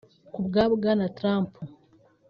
Ku bwa Bwana Trump